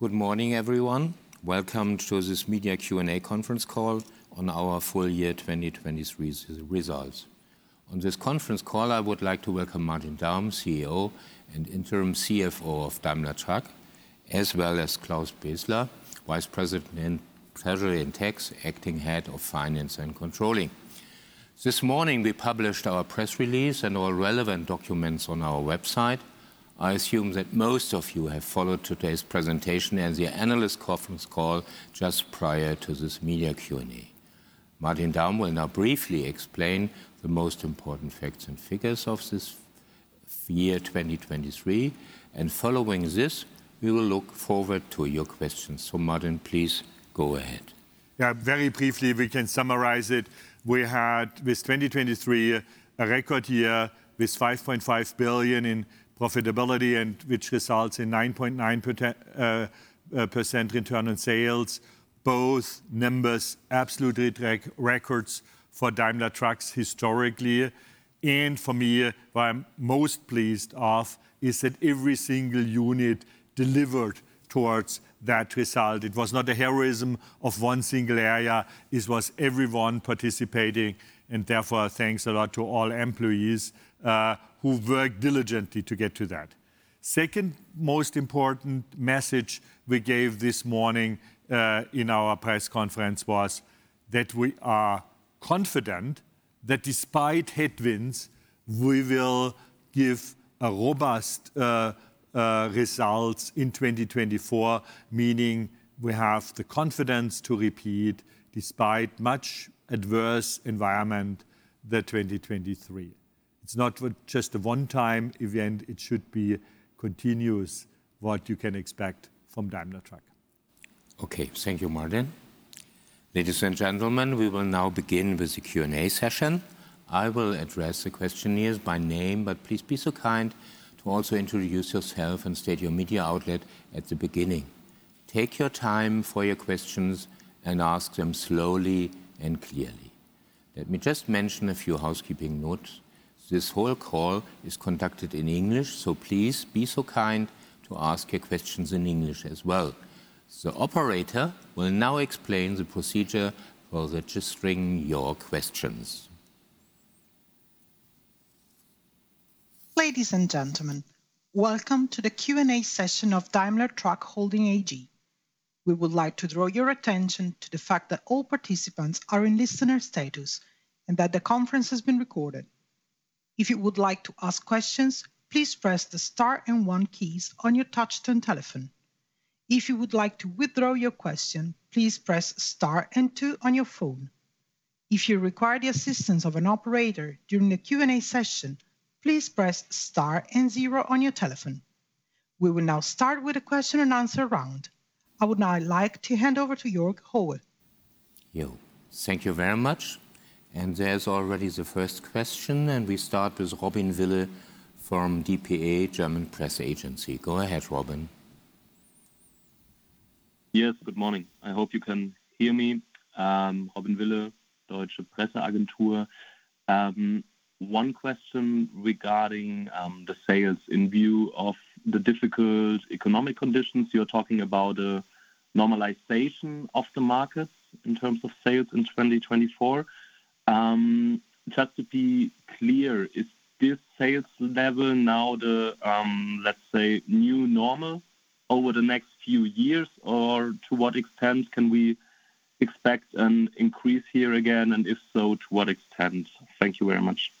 Good morning, everyone. Welcome to this media Q&A conference call on our full year 2023 results. On this conference call, I would like to welcome Martin Daum, CEO and interim CFO of Daimler Truck, as well as Claus Bässler, Vice President in Treasury and Tax, Acting Head of Finance and Controlling. This morning, we published our press release and all relevant documents on our website. I assume that most of you have followed today's presentation and the analyst conference call just prior to this media Q&A. Martin Daum will now briefly explain the most important facts and figures of this year, 2023, and following this, we will look forward to your questions. So, Martin, please go ahead. Yeah, very briefly, we can summarize it. We had, with 2023, a record year with 5.5 billion in profitability, and which results in 9.9% return on sales. Both numbers absolutely break records for Daimler Trucks historically. And for me, what I'm most pleased of, is that every single unit delivered towards that result. It was not the heroism of one single area, it was everyone participating, and therefore, thanks a lot to all employees who worked diligently to get to that. Second most important message we gave this morning in our press conference, was that we are confident that despite headwinds, we will give a robust results in 2024, meaning we have the confidence to repeat, despite much adverse environment, the 2023. It's not just a one-time event. It should be continuous, what you can expect from Daimler Truck. Okay, thank you, Martin. Ladies and gentlemen, we will now begin with the Q&A session. I will address the questioners by name, but please be so kind to also introduce yourself and state your media outlet at the beginning. Take your time for your questions and ask them slowly and clearly. Let me just mention a few housekeeping notes. This whole call is conducted in English, so please be so kind to ask your questions in English as well. The operator will now explain the procedure for registering your questions. Ladies and gentlemen, welcome to the Q&A session of Daimler Truck Holding AG. We would like to draw your attention to the fact that all participants are in listener status, and that the conference is being recorded. If you would like to ask questions, please press the star and one keys on your touchtone telephone. If you would like to withdraw your question, please press star and two on your phone. If you require the assistance of an operator during the Q&A session, please press star and zero on your telephone. We will now start with the question-and-answer round. I would now like to hand over to Jörg Howe. Thank you very much, and there's already the first question, and we start with Robin Wille from DPA, German Press Agency. Go ahead, Robin. Yes, good morning. I hope you can hear me. Robin Wille, Deutsche Presse-Agentur. One question regarding the sales. In view of the difficult economic conditions, you're talking about a normalization of the market in terms of sales in 2024. Just to be clear, is this sales level now the, let's say, new normal over the next few years? Or to what extent can we expect an increase here again, and if so, to what extent? Thank you very much.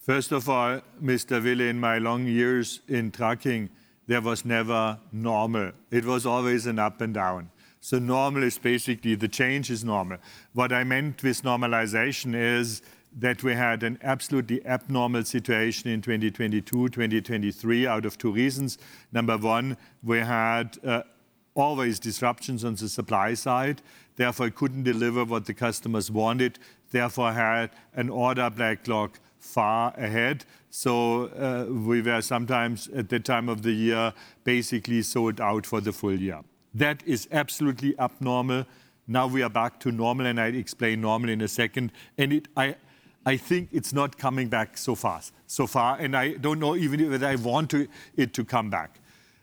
First of all, Mr. Wille, in my long years in trucking, there was never normal. It was always an up and down. So normal is basically the change is normal. What I meant with normalization is that we had an absolutely abnormal situation in 2022, 2023, out of two reasons. Number one, we had always disruptions on the supply side, therefore couldn't deliver what the customers wanted, therefore had an order backlog far ahead. So we were sometimes, at the time of the year, basically sold out for the full year. That is absolutely abnormal. Now, we are back to normal, and I'll explain normal in a second. I think it's not coming back so fast, so far, and I don't know even if that I want to it to come back.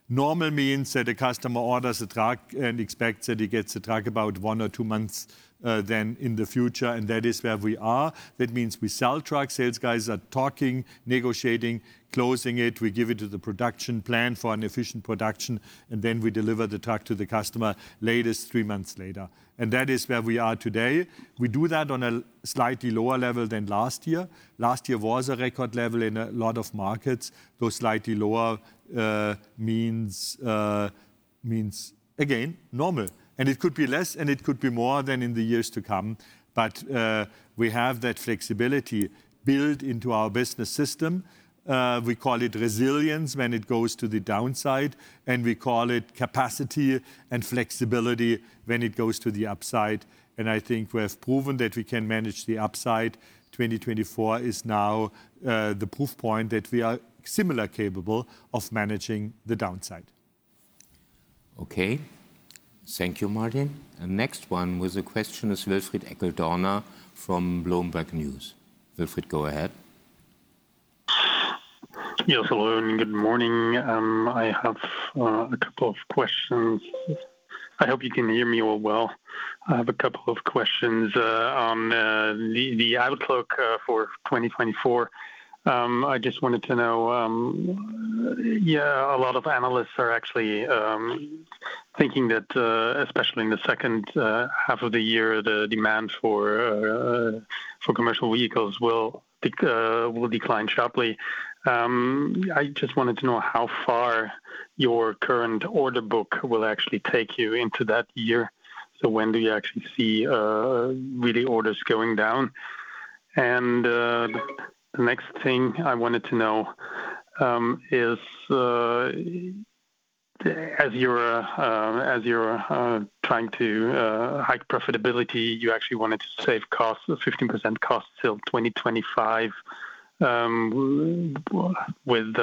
Normal means that a customer orders a truck and expects that he gets a truck about one or two months, then in the future, and that is where we are. That means we sell trucks, sales guys are talking, negotiating, closing it. We give it to the production plan for an efficient production, and then we deliver the truck to the customer, latest three months later. And that is where we are today. We do that on a slightly lower level than last year. Last year was a record level in a lot of markets. Though slightly lower, means, again, normal. And it could be less, and it could be more than in the years to come, but, we have that flexibility built into our business system. We call it resilience when it goes to the downside, and we call it capacity and flexibility when it goes to the upside, and I think we have proven that we can manage the upside. 2024 is now the proof point that we are similarly capable of managing the downside. Okay. Thank you, Martin. The next one with a question is Wilfried Eckl-Dorna from Bloomberg News. Wilfried, go ahead. Yes, hello and good morning. I have a couple of questions. I hope you can hear me all well. I have a couple of questions on the outlook for 2024. I just wanted to know, yeah, a lot of analysts are actually thinking that, especially in the second half of the year, the demand for commercial vehicles will decline sharply. I just wanted to know how far your current order book will actually take you into that year. So when do you actually see really orders going down? The next thing I wanted to know is, as you're trying to hike profitability, you actually wanted to save costs, 15% costs till 2025, with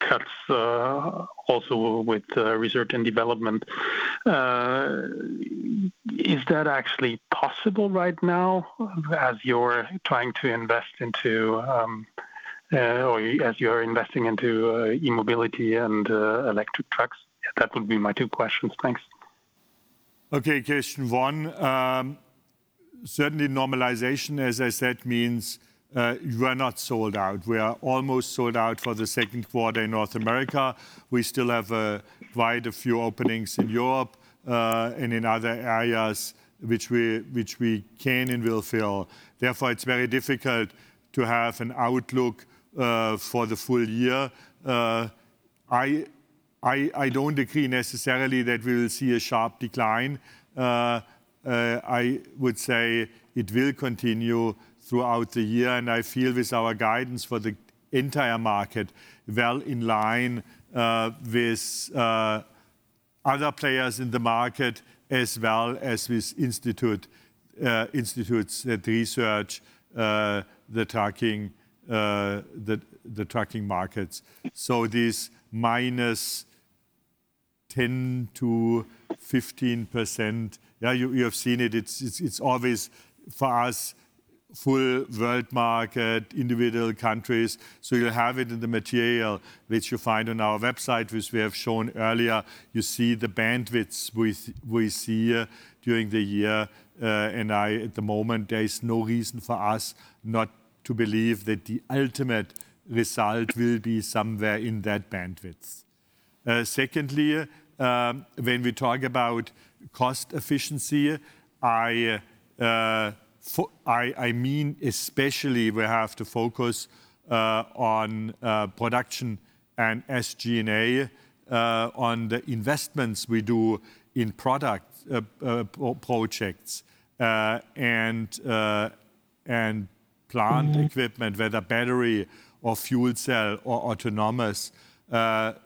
cuts, also with research and development. Is that actually possible right now as you're trying to invest into, or as you're investing into, e-mobility and electric trucks? That would be my two questions. Thanks. Okay, question one, certainly normalization, as I said, means we are not sold out. We are almost sold out for the second quarter in North America. We still have quite a few openings in Europe and in other areas which we can and will fill. Therefore, it's very difficult to have an outlook for the full year. I don't agree necessarily that we will see a sharp decline. I would say it will continue throughout the year, and I feel with our guidance for the entire market, well in line with other players in the market, as well as with institutes that research the trucking markets. So this -10%-15%, yeah, you have seen it. It's always, for us, full world market, individual countries. So you have it in the material, which you find on our website, which we have shown earlier. You see the bandwidth we see during the year. At the moment, there is no reason for us not to believe that the ultimate result will be somewhere in that bandwidth. Secondly, when we talk about cost efficiency, I mean, especially we have to focus on production and SG&A, on the investments we do in product projects, and plant equipment, whether battery or fuel cell or autonomous.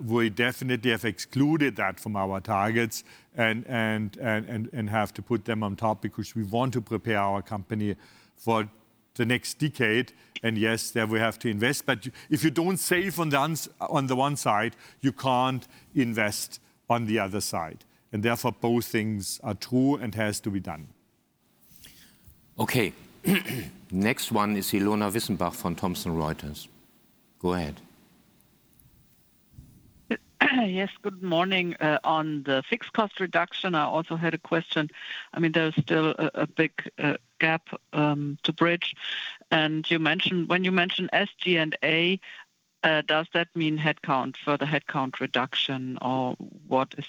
We definitely have excluded that from our targets and have to put them on top because we want to prepare our company for the next decade. And yes, then we have to invest, but if you don't save on the one side, you can't invest on the other side. And therefore, both things are true and has to be done. Okay. Next one is Ilona Wissenbach from Thomson Reuters. Go ahead. Yes, good morning. On the fixed cost reduction, I also had a question. I mean, there is still a big gap to bridge. And you mentioned, when you mention SG&A, does that mean headcount, further headcount reduction, or what is...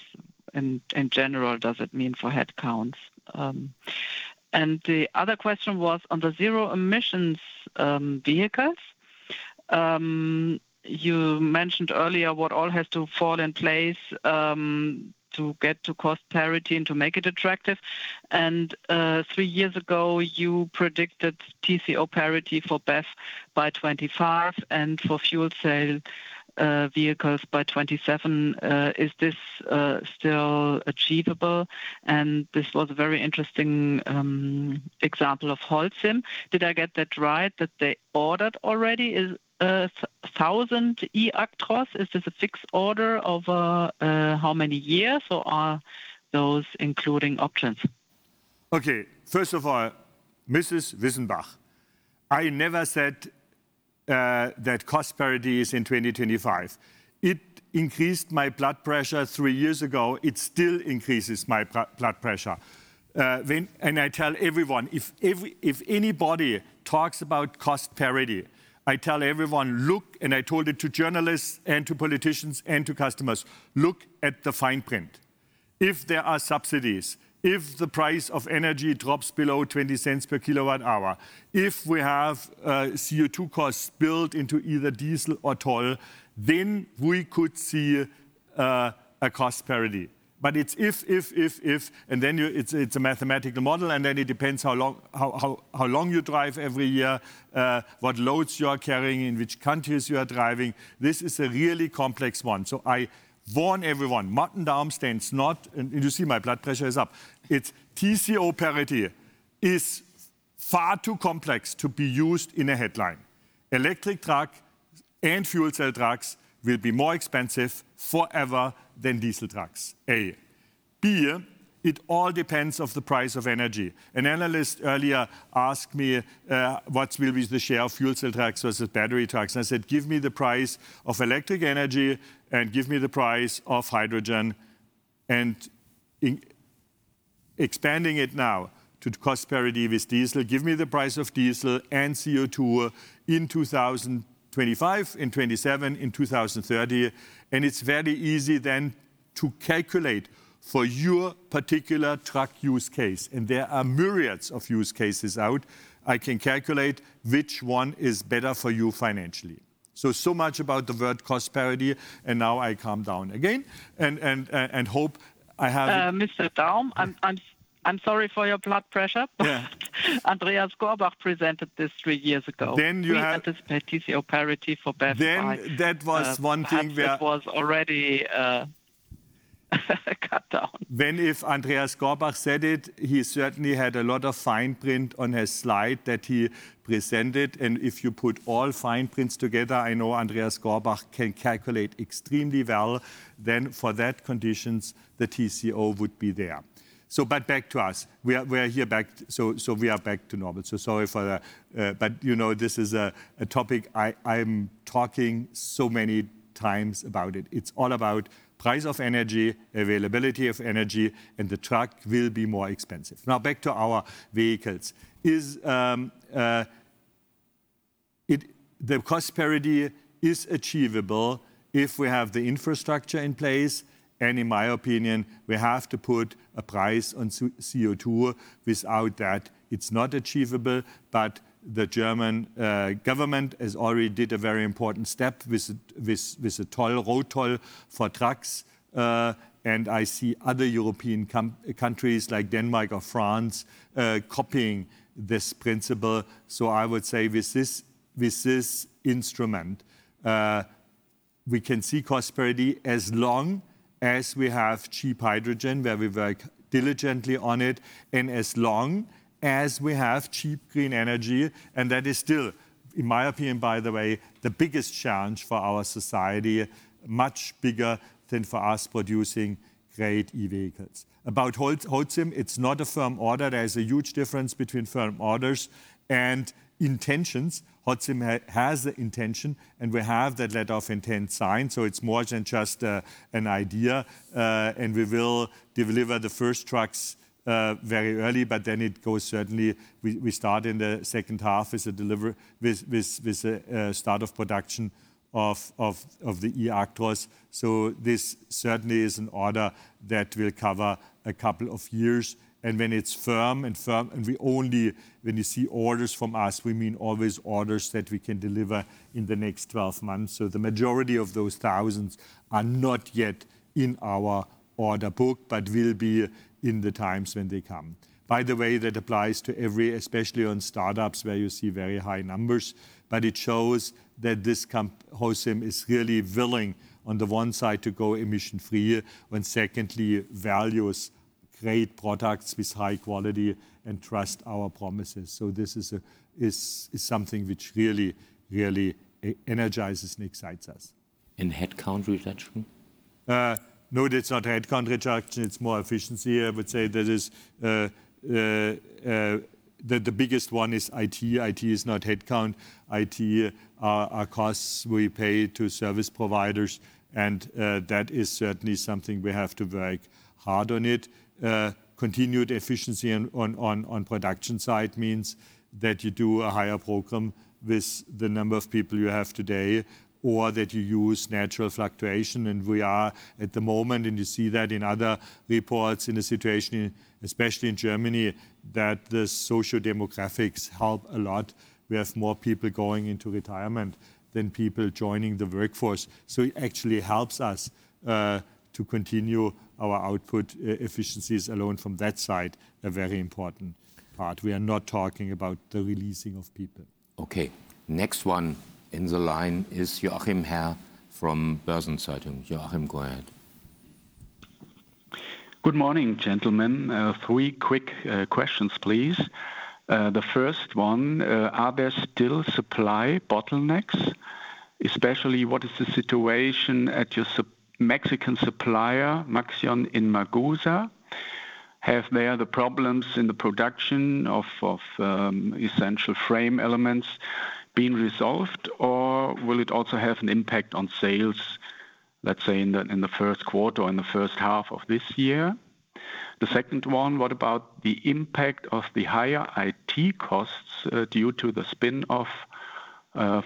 In general, does it mean for headcounts? And the other question was, on the zero emissions vehicles, you mentioned earlier what all has to fall in place to get to cost parity and to make it attractive. And three years ago, you predicted TCO parity for BEV by 25 and for fuel cell vehicles by 27. Is this still achievable? And this was a very interesting example of Holcim. Did I get that right, that they ordered already 1,000 eActros? Is this a fixed order over how many years, or are those including options? Okay, first of all, Mrs. Wissenbach, I never said that cost parity is in 2025. It increased my blood pressure three years ago. It still increases my blood pressure. I tell everyone, if anybody talks about cost parity, I tell everyone, "Look," and I told it to journalists and to politicians and to customers, "Look at the fine print." If there are subsidies, if the price of energy drops below 20 cents per kWh, if we have CO2 costs built into either diesel or oil, then we could see a cost parity. But it's if, if, if, if, and then you... It's a mathematical model, and then it depends how long you drive every year, what loads you are carrying, in which countries you are driving. This is a really complex one. So I warn everyone, Martin Daum stands not... And, and you see my blood pressure is up. It's TCO parity is far too complex to be used in a headline. Electric truck and fuel cell trucks will be more expensive forever than diesel trucks, A.... B, it all depends of the price of energy. An analyst earlier asked me, "What will be the share of fuel cell trucks versus battery trucks?" And I said, "Give me the price of electric energy, and give me the price of hydrogen." And in expanding it now to cost parity with diesel, give me the price of diesel and CO2 in 2025, in 2027, in 2030, and it's very easy then to calculate for your particular truck use case, and there are myriads of use cases out. I can calculate which one is better for you financially. So, so much about the word cost parity, and now I calm down again, and hope I have- Mr. Daum, I'm sorry for your blood pressure - Yeah. Andreas Gorbach presented this three years ago. Then you have- He had this TCO parity for battery- Then that was one thing where- Perhaps it was already cut down. Then if Andreas Gorbach said it, he certainly had a lot of fine print on his slide that he presented. And if you put all fine prints together, I know Andreas Gorbach can calculate extremely well, then for that conditions, the TCO would be there. So, but back to us. We are back here. So, we are back to normal. So sorry for that, but, you know, this is a topic I'm talking so many times about it. It's all about price of energy, availability of energy, and the truck will be more expensive. Now, back to our vehicles. The cost parity is achievable if we have the infrastructure in place, and in my opinion, we have to put a price on CO2. Without that, it's not achievable. The German government has already did a very important step with the toll, road toll for trucks. I see other European countries like Denmark or France copying this principle. I would say with this instrument we can see cost parity as long as we have cheap hydrogen, where we work diligently on it, and as long as we have cheap, green energy. That is still, in my opinion, by the way, the biggest challenge for our society, much bigger than for us producing great e-vehicles. About Holcim, it's not a firm order. There's a huge difference between firm orders and intentions. Holcim has the intention, and we have that letter of intent signed, so it's more than just an idea. And we will deliver the first trucks very early, but then it goes. Certainly, we start in the second half with a start of production of the eActros. So this certainly is an order that will cover a couple of years. And when it's firm, and we only when you see orders from us, we mean always orders that we can deliver in the next 12 months. So the majority of those thousands are not yet in our order book, but will be in the times when they come. By the way, that applies to every, especially on startups, where you see very high numbers. But it shows that Holcim is really willing, on the one side, to go emission-free, and secondly, values great products with high quality and trust our promises. So this is something which really, really energizes and excites us. Headcount reduction? No, that's not a headcount reduction. It's more efficiency. I would say there is. The biggest one is IT. IT is not headcount. IT are costs we pay to service providers, and that is certainly something we have to work hard on it. Continued efficiency on production side means that you do a higher program with the number of people you have today, or that you use natural fluctuation. We are, at the moment, and you see that in other reports, in a situation, especially in Germany, that the socio-demographics help a lot. We have more people going into retirement than people joining the workforce. So it actually helps us to continue our output. Efficiencies alone from that side, a very important part. We are not talking about the releasing of people. Okay, next one in the line is Joachim Herr from Börsen-Zeitung. Joachim, go ahead. Good morning, gentlemen. Three quick questions, please. The first one: Are there still supply bottlenecks? Especially, what is the situation at your Mexican supplier, Maxion in Mazatlán? Have there the problems in the production of essential frame elements been resolved, or will it also have an impact on sales, let's say, in the first quarter or in the first half of this year? The second one: What about the impact of the higher IT costs due to the spin-off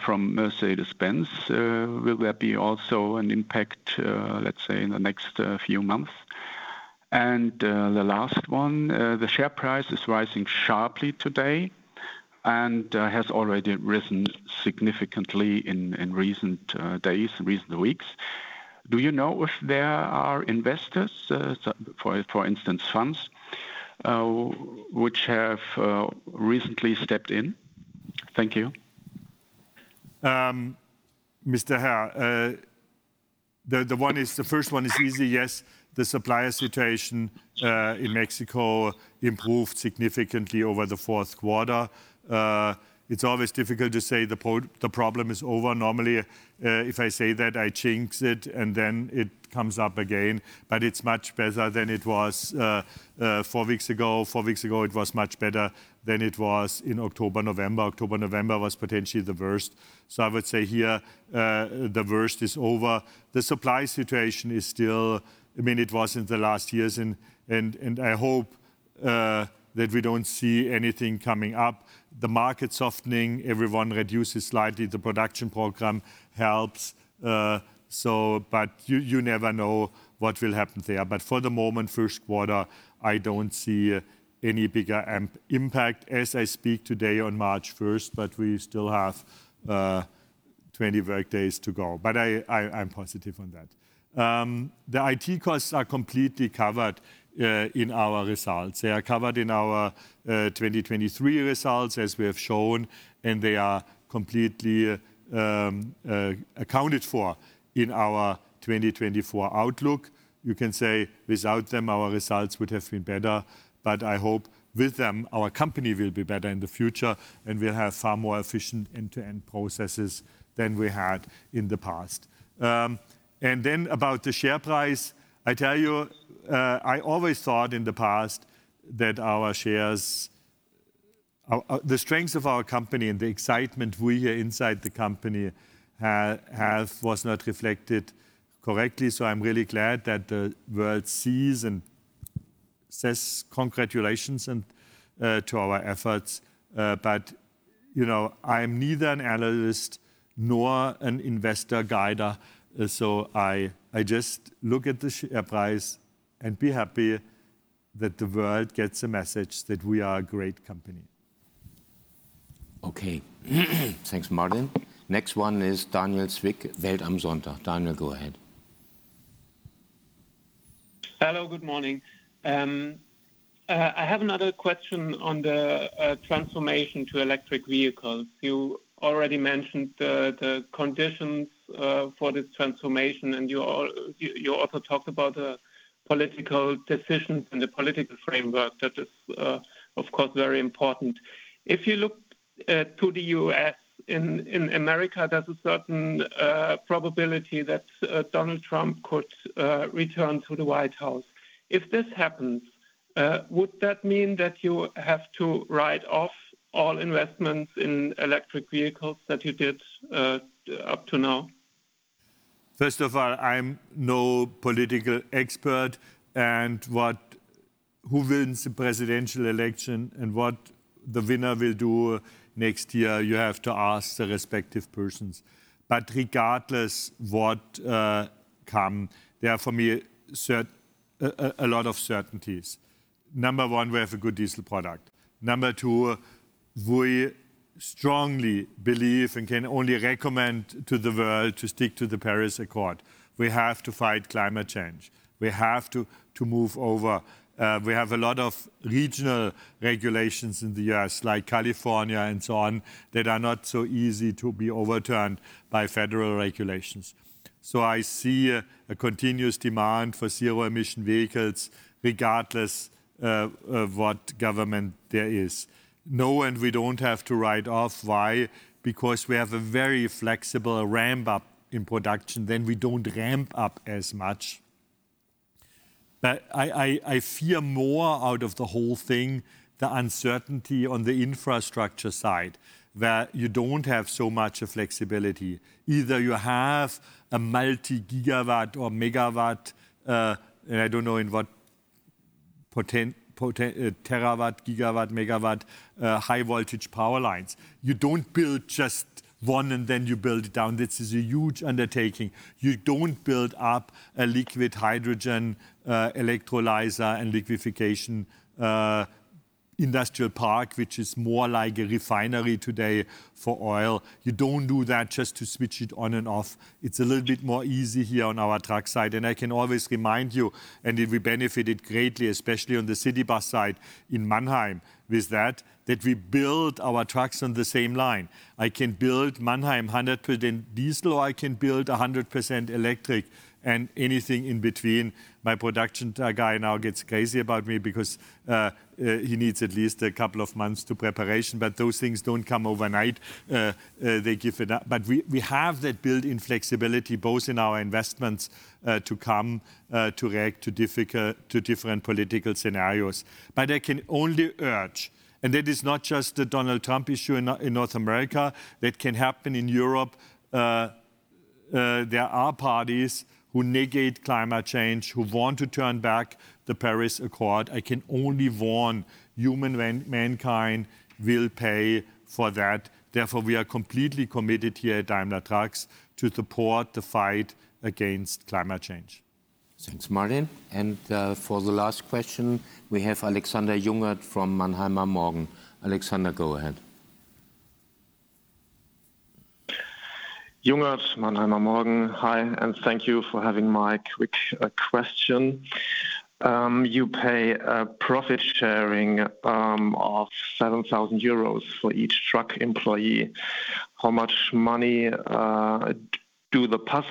from Mercedes-Benz? Will there be also an impact, let's say, in the next few months? And the last one: The share price is rising sharply today and has already risen significantly in recent days, in recent weeks. Do you know if there are investors, for instance, funds, which have recently stepped in? Thank you. ... Mr. Herr, the first one is easy. Yes, the supplier situation in Mexico improved significantly over the fourth quarter. It's always difficult to say the problem is over. Normally, if I say that, I jinx it, and then it comes up again. But it's much better than it was four weeks ago. Four weeks ago, it was much better than it was in October, November. October, November was potentially the worst. So I would say here, the worst is over. The supply situation is still... I mean, it was in the last years, and I hope that we don't see anything coming up. The market softening, everyone reduces slightly. The production program helps, so but you never know what will happen there. But for the moment, first quarter, I don't see any bigger impact as I speak today on March 1st, but we still have 20 work days to go. But I'm positive on that. The IT costs are completely covered in our results. They are covered in our 2023 results, as we have shown, and they are completely accounted for in our 2024 outlook. You can say, without them, our results would have been better, but I hope with them, our company will be better in the future, and we'll have far more efficient end-to-end processes than we had in the past. And then about the share price, I tell you, I always thought in the past that our shares, our... The strengths of our company and the excitement we, inside the company, have, was not reflected correctly. So I'm really glad that the world sees and says congratulations to our efforts. But, you know, I'm neither an analyst nor an investor guide, so I just look at the share price and be happy that the world gets a message that we are a great company. Okay. Thanks, Martin. Next one is Daniel Zwick, Welt am Sonntag. Daniel, go ahead. Hello, good morning. I have another question on the transformation to electric vehicles. You already mentioned the conditions for this transformation, and you also talked about the political decisions and the political framework. That is, of course, very important. If you look to the U.S., in America, there's a certain probability that Donald Trump could return to the White House. If this happens, would that mean that you have to write off all investments in electric vehicles that you did up to now? First of all, I'm no political expert, and who wins the presidential election and what the winner will do next year, you have to ask the respective persons. But regardless what comes, there are, for me, a lot of certainties. Number one, we have a good diesel product. Number two, we strongly believe, and can only recommend to the world, to stick to the Paris Accord. We have to fight climate change. We have to move over. We have a lot of regional regulations in the U.S., like California and so on, that are not so easy to be overturned by federal regulations. So I see a continuous demand for zero-emission vehicles, regardless of what government there is. No, and we don't have to write off. Why? Because we have a very flexible ramp-up in production, then we don't ramp up as much. But I fear more out of the whole thing, the uncertainty on the infrastructure side, where you don't have so much flexibility. Either you have a multi-gigawatt or megawatt, and I don't know in what terawatt, gigawatt, megawatt, high-voltage power lines. You don't build just one, and then you build it down. This is a huge undertaking. You don't build up a liquid hydrogen, electrolyzer and liquefaction, industrial park, which is more like a refinery today for oil. You don't do that just to switch it on and off. It's a little bit more easy here on our truck side, and I can always remind you, and we benefited greatly, especially on the city bus side in Mannheim, with that, that we build our trucks on the same line. I can build Mannheim 100% diesel, or I can build 100% electric, and anything in between. My production guy now gets crazy about me because he needs at least a couple of months to preparation. But those things don't come overnight. They give it up. But we have that built-in flexibility, both in our investments, to come, to react to different political scenarios. But I can only urge, and that is not just the Donald Trump issue in North America, that can happen in Europe. There are parties who negate climate change, who want to turn back the Paris Accord. I can only warn, mankind will pay for that. Therefore, we are completely committed here at Daimler Trucks to support the fight against climate change. Thanks, Martin. And, for the last question, we have Alexander Jungert from Mannheimer Morgen. Alexander, go ahead. ... Jungert, Mannheimer Morgen. Hi, and thank you for having my quick question. You pay a profit sharing of 7,000 euros for each truck employee. How much money do the bus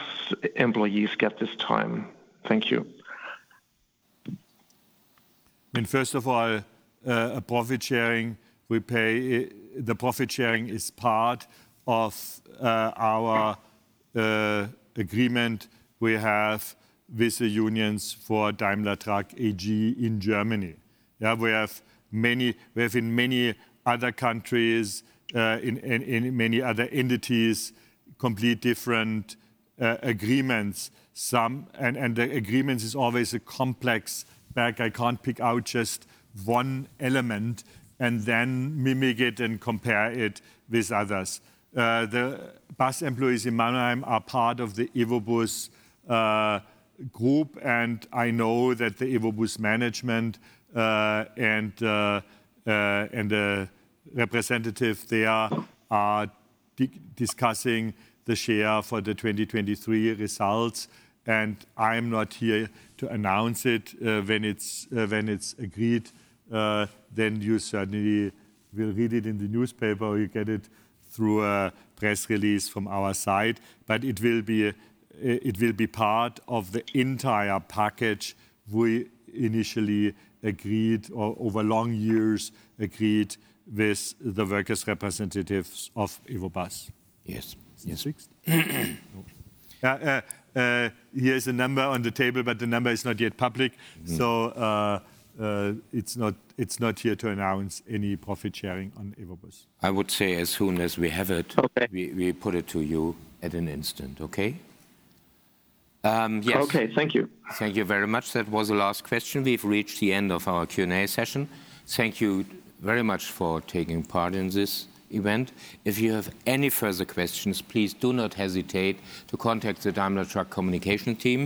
employees get this time? Thank you. And first of all, a profit sharing, we pay. The profit sharing is part of our agreement we have with the unions for Daimler Truck AG in Germany. Yeah, we have in many other countries, in many other entities, complete different agreements. And the agreements is always a complex bag. I can't pick out just one element and then mimic it and compare it with others. The bus employees in Mannheim are part of the EvoBus group, and I know that the EvoBus management and the representative there are discussing the share for the 2023 results, and I'm not here to announce it. When it's, when it's agreed, then you certainly will read it in the newspaper, or you get it through a press release from our side. But it will be, it will be part of the entire package we initially agreed, over long years, agreed with the workers' representatives of EvoBus. Yes. Yes. Here is a number on the table, but the number is not yet public. Mm. It's not here to announce any profit sharing on EvoBus. I would say as soon as we have it- Okay... we put it to you at an instant, okay? Yes. Okay, thank you. Thank you very much. That was the last question. We've reached the end of our Q&A session. Thank you very much for taking part in this event. If you have any further questions, please do not hesitate to contact the Daimler Truck Communications team,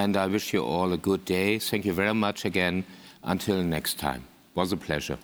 and I wish you all a good day. Thank you very much again. Until next time. Was a pleasure.